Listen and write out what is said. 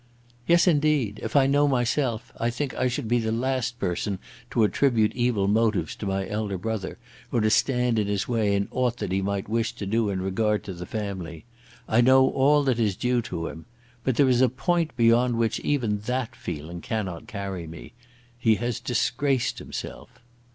"Yes, indeed. If I know myself, I think I should be the last person to attribute evil motives to my elder brother, or to stand in his way in aught that he might wish to do in regard to the family. I know all that is due to him. But there is a point beyond which even that feeling cannot carry me. He has disgraced himself."